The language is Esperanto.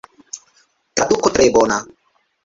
Traduko tre bona.